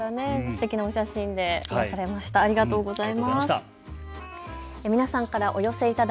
すてきなお写真で癒やされました。